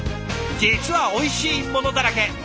実はおいしいものだらけ！